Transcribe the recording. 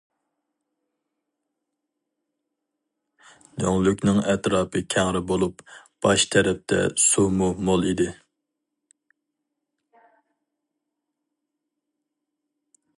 دۆڭلۈكنىڭ ئەتراپى كەڭرى بولۇپ، باش تەرەپتە سۇمۇ مول ئىدى.